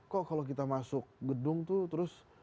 kok kalau kita masuk gedung tuh terus